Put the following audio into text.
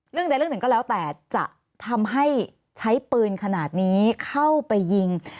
เรื่องใดเรื่องหนึ่งก็แล้วแต่จะทำให้ใช้ปืนขนาดนี้เข้าไปยิง